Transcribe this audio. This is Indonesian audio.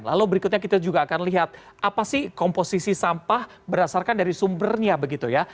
lalu berikutnya kita juga akan lihat apa sih komposisi sampah berdasarkan dari sumbernya begitu ya